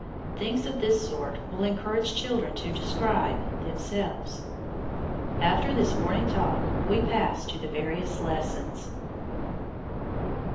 Things of this sort will encourage children to describe, themselves. After this morning talk we pass to the various lessons.